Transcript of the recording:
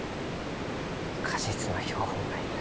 果実の標本が要る。